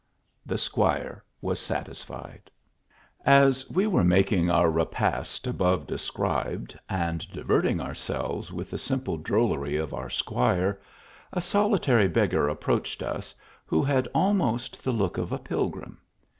The squire was satisfied. As we were making our repast above described, and diverting ourselves with the simple drollery of our squire, a solitary beggar approached us, who had almost the look of a pilgrim.